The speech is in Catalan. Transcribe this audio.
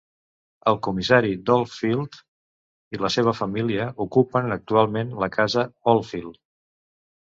El comissari d'Old Field i la seva família ocupen actualment la casa Old Field.